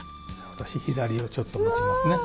私左をちょっと持ちますね。